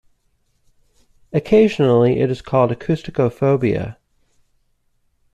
Occasionally it is called acousticophobia.